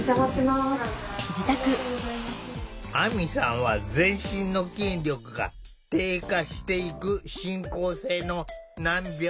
あみさんは全身の筋力が低下していく進行性の難病。